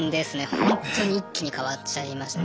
ほんとに一気に変わっちゃいました。